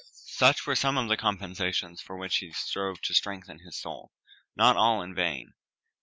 Such were some of the compensations with which he strove to strengthen his soul not all in vain.